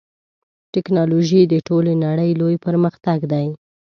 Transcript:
ټکنالوژي د ټولې نړۍ لوی پرمختګ دی.